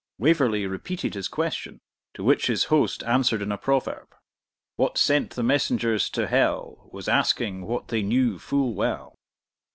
Waverley repeated his question, to which his host answered in a proverb, What sent the messengers to hell, Was asking what they knew full well.